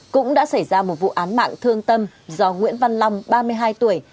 cũng đã xảy ra một vụ án mạng thương tâm do nguyễn văn long ba mươi hai tuổi